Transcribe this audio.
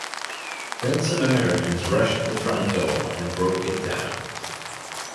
Then some Americans rushed the front door, and broke it down.